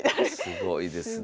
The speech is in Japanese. すごいですねえ。